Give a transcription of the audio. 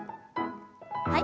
はい。